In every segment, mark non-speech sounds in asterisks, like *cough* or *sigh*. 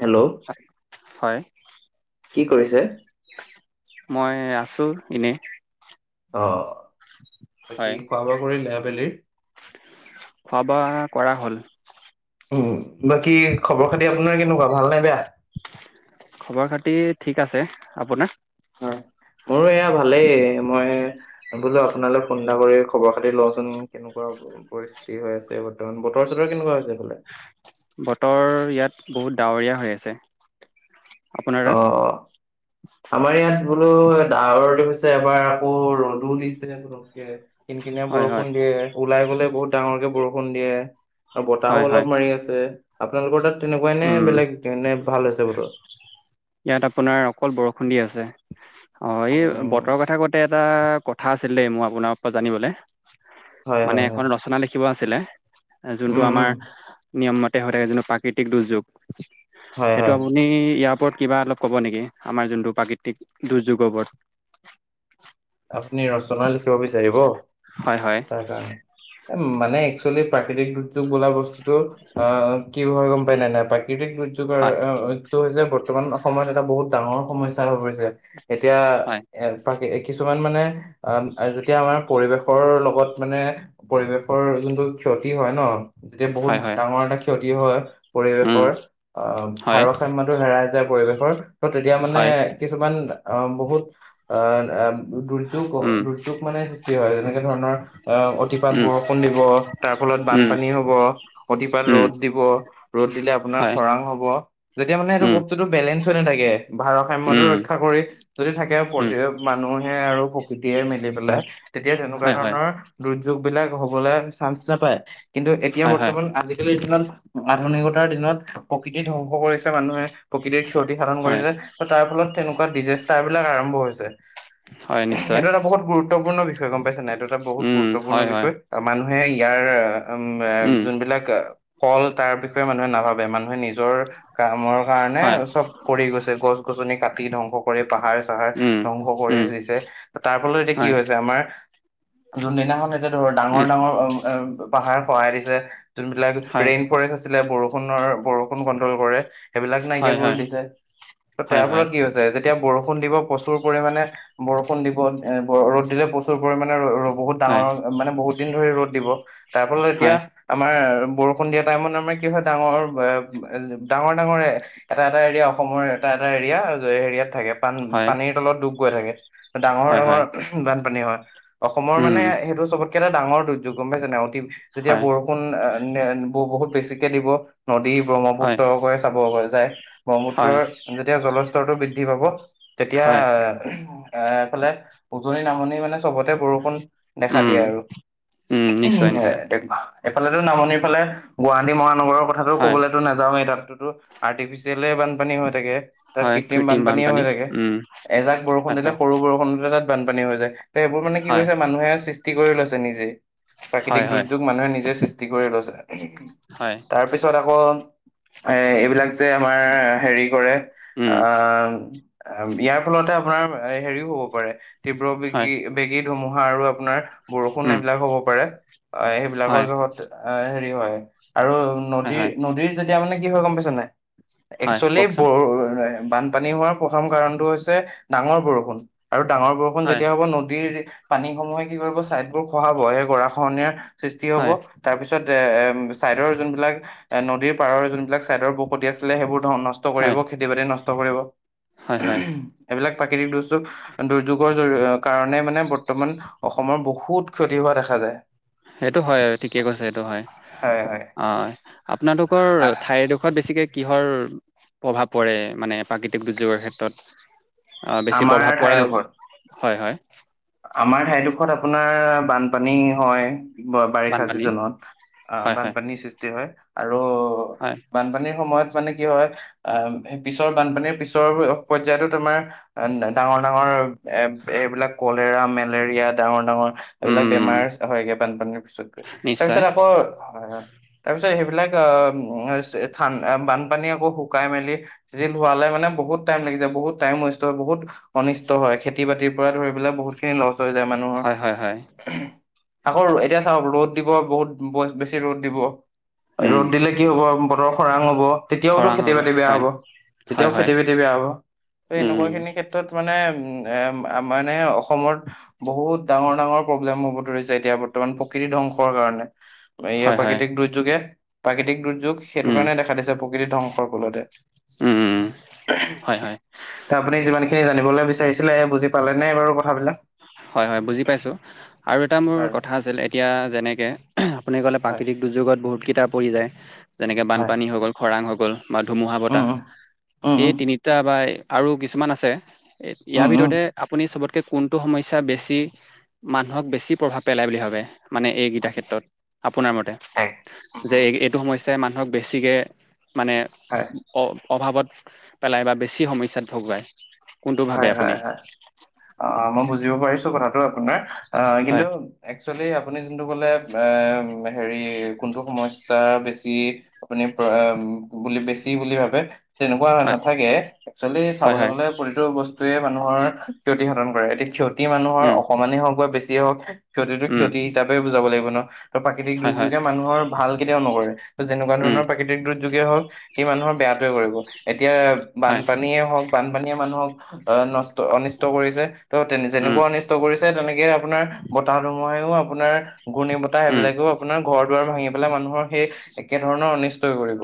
Hello. হয়। কি কয় আছে? মই আছো এনেই। অ, বাকী হয় খোৱা বোৱা কৰিলি আবেলিৰ। খোৱা বোৱা কৰা হ'ল। উম বাকী খবৰ খাতি আপোনাৰ কেনেকুৱা ভাল নে বেয়া। খবৰ খাতি ঠিক আছে আপোনাৰ। হয়, মোৰো এয়া ভালেই মই। এ বোলো আপোনালৈ ফোন এটা কৰি খবৰ খাতি লোচোন কেনেকুৱা হ'ল। পৰিস্থিতি হৈ আছে বৰ্তমান বতৰ চতৰ কেনেকুৱা হৈছে ফালে। বতৰ ইয়াত বহুত ডাৱৰীয়া হৈ আছে। আপোনাৰ অ তাত অ আমাৰ ইয়াত বোলো ডাৱৰ দে হৈছে। তে এবাৰ আকৌ ৰ'দো দিছে ঘোপোকে কিন কিনিয়া হয় হয় বৰষুণ দিয়ে। ওলাই গ'লে বহুত ডাঙৰকে বৰষুণ দিয়ে আৰু বতাহো হয় হয় অলপ মাৰি আছে। আপোনালোকৰ তাত তেনেকুৱাই নে উম বেলেগ কেনে ভাল আছে বোলো। ইয়াত আপোনাৰ অকল বৰষুণ দি আছে অ এই উম, বতৰৰ কথা ক'ত। তে এটা কথা আছিল দেই মোৰ আপোনাৰ পৰা জানিবলে হয় হয় মানে হয় এখন ৰচনা লিখা। শিকিব আছিলে উম যোনটো উম আমাৰ নিয়ম মতে হৈ থাকে যোনটো প্ৰাকৃতিক দুৰ্যোগ। হয় সেইটো হয় আপুনি ইয়াৰ ওপৰত কিবা অলপ ক'ব নেকি আমাৰ যোনটো প্ৰাকৃতিক দুৰ্যোগৰ ওপৰত। আপুনি ৰচনা লিখিব বিচাৰিব। হয় হয়। সেইকাৰণে মানে একচুৱেলি প্ৰাকৃতিক দুৰ্যোগ বোলা বস্তুতটো। অ অ কি হয় গম পাই নাই প্ৰাকৃতিক দুৰ্যোগ। এইটো কাৰ হয় অ অ এইটো হৈছে বৰ্তমান সময়ত এটা বহুত ডাঙৰ সমস্যা হৈ পৰিছে। এতিয়া হয় এক পাকে। কিছুমান মানে আহ আম যেতিয়া আমাৰ পৰিৱেশৰ লগত মানে। পৰিৱেশৰ যোনটো ক্ষতি হয় ন যেতিয়া বহুত হয় হয় ডাঙৰ এটা ক্ষতি হয়। উম পৰিৱেশৰ অ হয় ভাৰসাম্যটো হেৰাই যায় পৰিৱেশৰ ত তেতিয়া মানে। হয় কিছুমান অ বহুত অ আম বোৰ। যোগ উম, দুৰ্যোগ মানে সৃষ্টি হয় যেনেকে ধৰণৰ। আহ অতিপাত উম, বৰষুণ দিব তাৰ ফলত উম, বানপানী হব। অতিপাত উম, ৰ'দ দিব ৰ'দ দিলে আপোনাৰ হয়, খৰাং হব। যেতিয়া মানে এইটো উম, বস্তুটো বেলেঞ্চ হৈ নাথাকে। ভাৰসাম্যতো উম, ৰক্ষা কৰি যদি থাকে উম, প্ৰতি মানুহ। আৰু প্ৰকৃতিয়ে মিলি পেলাই তেতিয়া তেনেকুৱা হয়, হয়, ধৰণৰ। দুৰ্যোগ বিলাক হবলৈ চান্স নাপায় কিন্তু এতিয়া হয়, হয়, বৰ্তমান আজিকালিৰ দিনত। আধুনিকতাৰ দিনত প্ৰকৃতি ধ্বংস কৰিছে মানুহে প্ৰকৃতিৰ ক্ষতি সাধন হয়, কৰিছে। তাৰ ফলত তেনেকুৱা ডিজেষ্টাৰ বিলাক আৰম্ভ হৈছে। হয়, নিশ্চয়, এইটো এটা বহুত গুৰুত্বপূৰ্ণ বিষয় গম পাইছা নাই এইটো এটা বহুত উম, গুৰুত্বপূৰ্ণ হয়, হয়, বিষয়। মানুহে ইয়াৰ উম উম, যোনবিলাক আ। ফল তাৰ বিষয়ে মানুহে নাভাবে মানুহে নিজৰ কামৰ কাৰণে হয়, চব। কৰি গৈছে গছ গছনি কাটি ধ্বংস কৰি পাহাৰ চাহাৰ উম, ধ্বংস কৰি। উম, ছে তাৰ ফলত এতিয়া কি হয়, হৈছে আমাৰ জোনদিনাখন। ধৰ ডাঙৰ উম, ডাঙৰ অ উম পাহাৰ খহায় দিছে জোনবিলাক হয়, ৰেইন ফৰেষ্ট। সেইবিলাক বৰষুণৰ বৰষুণ কন্ট্ৰল কৰে সেইবিলাক নাইকিয়া হয়, কৰি হয়, দিছে ত হয়, তাৰ হয়, ফলত কি হৈছে। যে যেতিয়া বৰষুণ দিব প্ৰচুৰ পৰিমাণে। বৰষুণ দিব এ ৰ'দ দিলে প্ৰচুৰ পৰিমাণে ৰ ৰ বহুত হয়, ডাঙৰ। মানে বহুত দিন ধৰি ৰ'দ দিব তাৰ ফলত এতিয়া। হয়, আমাৰ বৰষুণ দিয়া টাইমত আমাৰ কি হয় ডাঙৰ বে এ ডাঙৰ ডাঙৰ। এটা-এটা এৰিয়া অসমৰ এটা-এটা এৰিয়া এৰিয়াত থাকে। পান হয়, পানীৰ তলত ডুব গৈ থাকে হয়, ডাঙৰ-ডাঙৰ হয়, বানপানী হয়। অসমৰ উম, মানে সেইটো চবতকে এটা ডাঙৰ দুৰ্যোগ গম পাইছা নাই অতি যেতিয়া হয়, বৰ ষুণ ব বহুত বেছিকে দিব নদী হয়, ব্ৰহ্মপুত্ৰক চাবগৈ যায়। হয়, ব্ৰহ্মপুত্ৰৰ যেতিয়া জলস্তৰটো বৃদ্ধি পাব হয়, তেতিয়া, এ এইফালে উজনি নামনি মানে চবতে বৰষুণ দেখা উম, দিয়ে আৰু উম, নিশ্চয়, নিশ্চয়, এইফালেতো নামনিৰ ফালে, গুৱাহাটী মহানগৰৰ কথাটো হয়, কবলেতো নাযাওঁয়েই তাতোতো আৰ্টিফিচিয়েলেই বানপানী হৈ থাকে। তাত হয়, কৃত্ৰিম বানপানীয়ে হৈ বানপানী, থাকে উম, এজাক বৰষুণ হয়, দিলে, হয়, সৰু বৰষুণতে তাত বানপানী হৈ যায় ত সেইবোৰ মানে কি হয়, কৰিছে মানুহে সৃষ্টি কৰি লৈছে নিজেই। হয়, প্ৰাকৃতিক হয়, দুৰ্যোগ মানুহে নিজেই সৃষ্টি কৰি লৈছে তাৰ হয়, তাৰ পিছত আকৌ এ এইবিলাক যে আমাৰ হেৰি কৰে। উম, আহ ইয়াৰ ফলতে আপোনাৰ হেৰিও হ'ব পাৰে, তীব্ৰ হয়, বেগী বেগী ধুমুহা আৰু আপোনাৰ, বৰষুণ উম, এইবিলাক হ'ব পাৰে হয়, সেইবিলাকৰ জহত হেৰি হয় আৰু হয়, হয়, নদীৰ-নদীৰ যেতিয়া মানে কি হয় গম পাইছা নাই হয়, একচুৱেলি ব কওকচোন, বানপানী হোৱাৰ প্ৰথম কাৰণটো হৈছে ডাঙৰ বৰষুণ। আৰু ডাঙৰ বৰষুণ হয়, যেতিয়া হ'ব নদীৰ পানীসমূহে কি কৰিব ছাইদবোৰ খহাব সেই গৰাখহনীয়াৰ, সৃষ্টি হ'ব হয়, তাৰ পিছত এ ছাইডৰ যোনবিলাক এ নদীৰ পাৰৰ যোনবিলাক চাইডৰ বখতি আছিলে সেইবোৰ ধন নষ্ট হয়, কৰিব খেতিবাতি নষ্ট কৰিব। হয়, হয়, এইবিলাক প্ৰাকৃতিক দুৰ্যোগ দুৰ্যোগৰ কাৰণে মানে বৰ্তমান, অসমৰ বহুত ক্ষতি হোৱা দেখা। সেইটো হয় ঠিকে কৈছে সেইটো হয় হয় হয় অ আপোনালোকৰ আ- ঠাইডোখৰত বেছিকে, কিহৰ প্ৰভাৱ পৰে মানে প্ৰাকৃতিক দুৰ্যোগৰ ক্ষেত্ৰত? অ, বেছি আমাৰ প্ৰভাৱ পৰা ঠাইডোখৰত হয়-হয়। আমাৰ ঠাইডোখৰত আপোনাৰ বানপানী হয়। বাৰিষা বানপানী চিজনত অ হয় হয় বানপানীৰ সৃষ্টি হয় আৰু হয় বানপানীৰ সময়ত মানে কি হয়? আহ সেই পিছৰ বানপানীৰ পিছৰ পৰ্যায়তো তোমাৰ ডাঙৰ-ডাঙৰ এইবিলাক কলেৰা মেলেৰিয়া ডাঙৰ-ডাঙৰ, এইবিলাক উম বেমাৰ হয়গে বানপানীৰ পিছত গৈ নিশ্চয় তাৰপিছত আকৌ হয়-হয়। তাৰপিছত সেইবিলাক অ, স্হান বানপানী আকৌ শুকাই মেলি, চিজিল হোৱালে মানে বহুত টাইম লাগি যাই বহুত টাইম ৱেষ্ট হয় বহুত অনিষ্ট হয় খেতি বাতিৰ পৰা ধৰি, পেলাই বহুত খিনি লছ হৈ যায় মানুহৰ। হয় হয় হয় আকৌ এতিয়া চাওক ৰ'দ দিব বহুত বেছি ৰ'দ দিব উম ৰ'দ দিলে, কি হ'ব বতৰ খৰাং হ'ব। তেতিয়াওতো খৰাং খেতি বাতি বেয়া হয় হ'ব, হয় তেতিয়াও হয় খেতি বাতি বেয়া হ'ব ত উম এনেকুৱা খিনি ক্ষেত্ৰত মানে উ মানে অসমত, বহুত ডাঙৰ ডাঙৰ প্ৰব্লেম হ'ব ধৰিছে এতিয়া বৰ্তমান প্ৰকৃতি ধ্বংসৰ কাৰণে। ইয়াৰ হয় হয় প্ৰাকৃতিক দুৰ্যোগে প্ৰাকৃতিক দুৰ্যোগ, সেইটো উম কাৰণে দেখা দিছে প্ৰকৃতি ধ্বংসৰ ফলতে। উম উম হয় হয় এতিয়া আপুনি যিমান খিনি জানিবলৈ বিচাৰিছিলে বুজি পালে নে বাৰু কথাবিলাক? হয়-হয় বুজি পাইছোঁ আৰু এটা মোৰ বাৰু কথা আছিল এতিয়া যেনেকে আপুনি ক'লে হয় প্ৰাকৃতিক দুৰ্যোগত বহুতকেইটা পৰি যায় যেনেকৈ হয় বানপানী হৈ গ'ল, খৰাং হৈ গ'ল। বা ধুমুহা উম বতাহ উম উম এই উম তিনিটা বা আৰু কিছুমান আছে। এ ইয়াৰ উম উম ভিতৰতে আপুনি চবতকে কোনটো সমস্যা বেছি মানুহক বেছি প্ৰভাৱ পেলায় বুলি ভাবে? মানে এইকেইটা ক্ষেত্ৰত আপোনাৰ মতে হয় উম যে এই এইটো সমস্যাই মানুহক বেছিকে মানে হয় অ-অভাৱত পেলাই বা বেছি সমস্যাত ভুগায়। হয়, হয়, হয়, অ', মই বুজিব পাৰিছো কথাটো আপোনাৰ অ', কিন্তু হয় একচুৱেলি আপুনি যোনটো ক'লে এ হেৰি, কোনটো সমস্যা বেছি আপুনি প্ৰ এ বুলি বেছি বুলি ভাবে। তেনেকুৱা হয় নাথাকে একচুৱেলি হয় চাবলৈ হয় গলে প্ৰতিটো বস্তুৱে মানুহৰ ক্ষতিসাধন কৰে। এতিয়া ক্ষতি মানুহৰ উম অকমানেই হওঁক বা বেছিয়ে হওক ক্ষতিটো উম ক্ষতি হিচাপেই বুজাব লাগিব ন' আৰু প্ৰাকৃতিক হয় হয় দুৰ্যোগে মানুহৰ ভাল কেতিয়াও নকৰে। যেনেকুৱা উম ধৰণৰ প্ৰাকৃতিক দুৰ্যোগে হওক সি মানুহৰ বেয়াটোৱে কৰিব, এতিয়া হয় বানপানীয়ে হওক বানপানীয়ে মানুহক আহ নষ্ট অনিষ্ট কৰিছে ত' তে উম যেনেকুৱা অনিষ্ট কৰিছে তেনেকে আপোনাৰ বতাহ ধুমুহাইও আপোনাৰ ঘূৰ্ণী বতাহ উম সেইবিলাকেও আপোনাৰ ঘৰ দুৱাৰ ভাঙি পেলাই মানুহৰ সেই একে ধৰণৰ অনিষ্টই কৰিব।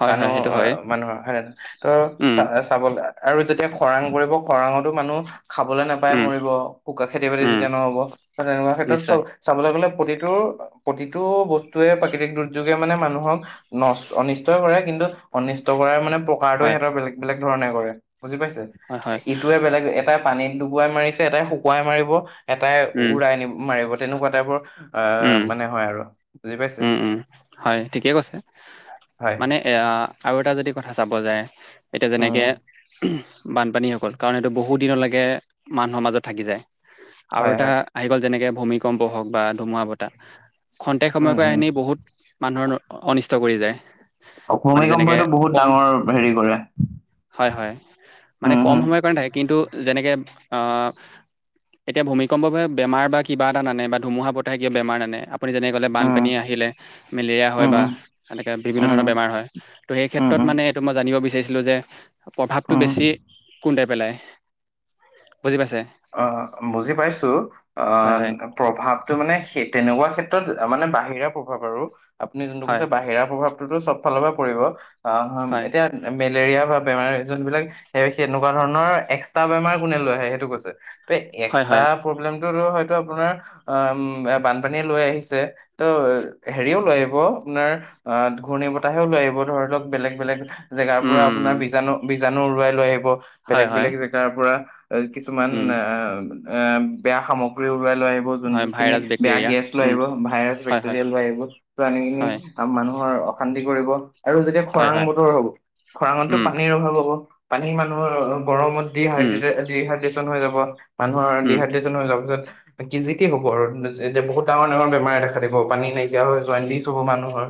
হয় মানুহ হয় সেইটো হয় আহ, মানুহৰ হয়ে ত' উম চ-চাবলৈ আৰু যেতিয়া খৰাং পৰিব খৰাংতো মানুহ খাবলৈ নাপায় উম মৰিব, শুকা খেতি-বাতি উম যেতিয়া নহ'ব ত' তেনেকুৱা ক্ষেত্ৰত চব নিশ্চয় চাবলৈ গ'লে প্ৰতিটো প্ৰতিটো বস্তুৱে প্ৰাকৃতিক দুৰ্যোগে মানে মানুহক নষ্ট অনিষ্টই কৰে কিন্তু অনিষ্ট কৰাৰ মানে প্ৰকাৰটো হয় সিহঁতৰ বেলেগ বেলেগ ধৰণে কৰে বুজি পাইছে? হয় হয় ইটোৱে বেলেগ এটা পানীত ডুবুৱাই মাৰিছে, এটাই শুকুৱাই মাৰিব, এটাই উম উৰাই নি মাৰিব, তেনেকুৱা টাইপৰ অ', উম মানে হয় আৰু। বুজি পাইছে উম, উম, হয়, ঠিকে কৈছে হয় মানে এইয়া আৰু এটা যদি কথা চাব যায় এতিয়া উম যেনেকে বানপানী হৈ গ'ল কাৰণ, এইটো বহু দিনলৈকে মানুহৰ মাজত থাকি যায়, আৰু হয় এটা হয় আহি গ'ল যেনেকে ভূমিকম্প হওক বা ধুমুহা বতাহ খন্তেক উম সময়কৈ উম আনি বহুত মানুহৰ অনিষ্ট কৰি যাই। ভুমিকম্পইতো বহুত ডাঙৰ হেৰি কৰে। হয়, হয়, মানে উম কম উম সময়ৰ কাৰণে থাকে কিন্তু যেনেকে অ' এতিয়া ভূমিকম্পই বেমাৰ বা কিবা এটা নানে বা ধুমুহা বতাহে কিবা বেমাৰ নানে আপুনি যেনে ক'লে উম বানপানী আহিলে মেলেৰিয়া হয় উম উম বা এনেকৈ বিভিন্ন ধৰণৰ উম বেমাৰ হয়। ত' সেই উম ক্ষেত্ৰত মানে উম এইটো মই জানিব বিচাৰিছিলো যে প্ৰভাৱটো বেছি উম কোনটোৱে পেলাই বুজি পাইছে? অ', বুজি পাইছো হয় হয় অ' প্ৰভাৱটো মানে সেই তেনেকুৱা ক্ষেত্ৰত মানে বাহিৰা প্ৰভাৱ আৰু। আপুনি যোনটো হয় কৈছে বাহিৰা প্ৰভাৱটোতো চব ফালৰ পৰা পৰিব আহ, হয় এতিয়া মেলেৰিয়া বা বেমাৰ যোনবিলাক সেনেকুৱা ধৰণৰ এক্সট্ৰা বেমাৰ কোনে লৈ আহে সেইটো কৈছে? ত' হয় এক্সট্ৰা হয় প্ৰব্লেমটোতো হয়তো আপোনাৰ ওম বানপানীয়ে লৈ আহিছে। ত' হেৰিও লৈ আহিব আপোনাৰ অ', ঘূৰ্ণী বতাহেও লৈ আহিব ধৰি লওঁক বেলেগ বেলেগ জেগাৰ পৰা উম আপোনাৰ বীজাণু বীজাণু উৰুৱাই লৈ আহিব হয় বেলেগ হয় বেলেগ জেগাৰ পৰা কিছুমান এ উম এ বেয়া সামগ্ৰী উৰুৱাই লৈ আহিব। হয় যোনটো খিনি ভাইৰাছ বেয়া বেক্টেৰিয়া গেছ লৈ উম আহিব ভাইৰাছ হয় হয় বেক্টেৰিয়া লৈ আহিব ত' আনি কিনি হয় মানুহৰ অশান্তি কৰিব, আৰু যেতিয়া হয় খৰাং হয় বতৰ হব খৰাঙতটো উম পানীৰ অভাৱ হ'ব। পানী মানুহৰ গৰমত উম ডিহাইড্ৰেচেত ডিহাইড্ৰেচন হৈ যাব। মানুহৰ উম ডিহাইড্ৰেচন হৈ যোৱাৰ পিছত কি যি টি হ'ব আৰু, যে বহুত ডাঙৰ, ডাঙৰ বেমাৰে দেখা দিব পানী নাইকিয়া হৈ জণ্ডিচ হ'ব মানুহৰ।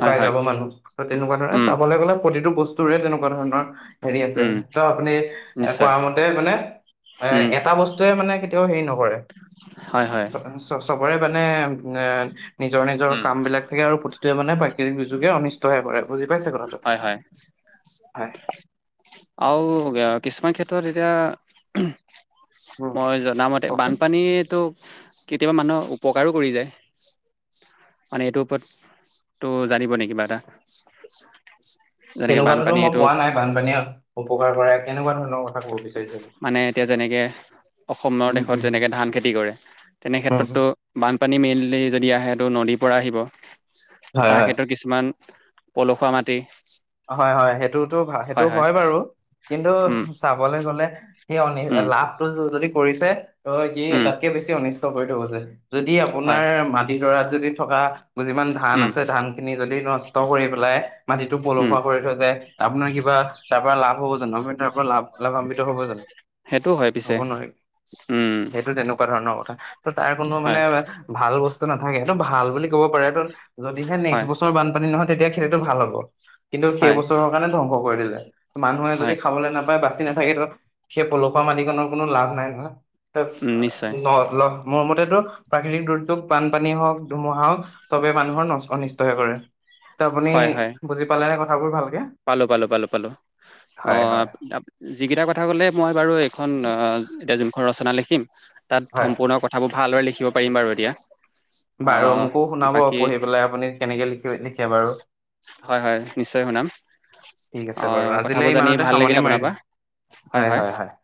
হয় হয় যাব মানুহ। ত' তেনেকুৱা ধৰণে উম চাবলে গলে প্ৰতিটো বস্তুৰে তেনেকুৱা ধৰণৰ হেৰি আছে। উম ত' আপুনি এ নিশ্চয় কোৱা মতে মানে এ উম এটা বস্তুৱে মানে কেতিয়াও হেৰি নকৰে। হয়, হয়। চ-চবৰে মানে আ, নিজৰ, নিজৰ উম কাম বিলাক থাকে আৰু প্ৰতি টোৱে মানে প্ৰাকৃতিক দূৰ্যোগে অনিষ্টহে কৰে বুজি পাইছে কথাটো? হয় হয় হয়। আৰু আ, কিছুমান ক্ষেত্ৰত এতিয়া উম মই জনা মতে কওকচোন বানপানীয়েতো কেতিয়াবা মানুহৰ উপকাৰো কৰি যায়। মানে এইটোৰ ওপৰত তো, জানিবনি কিবা এটা? যেনেকে বানপানী এইটো পানীয়ে উপকাৰ কৰে কেনেকুৱা ধৰণৰ কথা ক'ব বিচাৰিচে? মানে এতিয়া যেনেকে অসমৰ উম দেশত উম যেনেকে ধান খেতি কৰে, তেনে উম উম। ক্ষেত্ৰতটো বানপানী মেইনলি যদি আহেটো নদীৰ পৰা আহিব, হয় তাৰ হয় ক্ষেত্ৰত কিছুমান পলসুৱা মাটি। হয়, হয়। সেইটোতো সেইটো হয় বাৰু, কিন্তু উম চাবলৈ গ'লে সেই অনি উম লাভটো যদি কৰিছে, ত' সি উম তাতকে বেছি অনিষ্ট কৰি থৈ গৈছে। যদি হয় আপোনাৰ মাটিডৰাত যদি থকা যিমান ধান উম আছে ধান খিনি যদি নষ্ট কৰি পেলাই, মাটিটোক উম পলসুৱা কৰি থৈ যায়, আপোনাৰ কিবা তাৰ পৰা লাভ হ'ব জানোঁ? আপুনি তাৰ পৰা লাভ লাভান্বিত হ'ব জানোঁ? সেইটো হয় *unintelligible* পিছে হ'ব নোৱাৰি। উম সেইটো তেনেকুৱা ধৰণৰ কথা, ত' তাৰ কোনো মানে হয় ভাল বস্তু নাথাকে এইটো ভাল বুলি ক'ব পাৰে, যদিহে নেক্সট হয় বছৰ বানপানী নহয় তেতিয়া খে সেইটো ভাল হ'ব, কিন্তু সেই হয় বছৰৰ কাৰণে ধ্বংস কৰি দিলে। মানুহে যদি হয় খাবলৈ নাপায় বাচি নাথাকে ত, সেই পলসুৱা মাটিকনৰ কোনো লাভ নাই নহয়। উম নিশ্চয় *unintelligible* মোৰ মতেতো প্ৰাকৃতিক দুৰ্যোগ বানপানী হওঁক, ধুমুহা হওঁক, চবে মানুহৰ নষ-অনিষ্টহে কৰে। ত আপুনি হয় হয় বুজি পালেনে কথাবোৰ ভালকে? পালো, পালো, পালো, পালো। হয় অ', হয় আপ আপ যিকেইটা কথা ক'লে মই বাৰু এইখন অ', এতিয়া যোনখন ৰচনা লিখিম, তাত হয় সম্পূৰ্ণ কথ থাবোৰ ভালদৰে লিখিব পাৰিম বাৰু এতিয়া। অ বাৰু মোকো শুনাব বাকী পঢ়ি পেলাই আপুনি কেনেকে লিখ-লিখে বাৰু। হয়, হয়। নিশ্চয় শুনাম। ঠিক অ আছে বাৰু কথাবোৰ আজিলৈ জানি ইমানতে ভাল লাগিল সামৰণি আপোনাৰ পৰা মাৰিলো। হয়, হয়, হয়।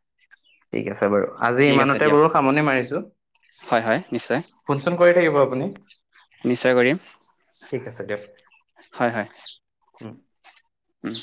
ঠিক আছে বাৰু। আজি ঠিক আছে ইমানতে দিয়ক বাৰু সামৰণি মাৰিছোঁ। হয়, হয় নিশ্চয়। ফোন চোন কৰি থাকিব আপুনি। নিশ্চয় কৰিম, ঠিক আছে দিয়ক হয়, হয়। উম। উম।